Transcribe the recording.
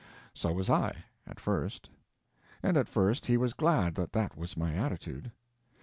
So was I—at first. And at first he was glad that that was my attitude.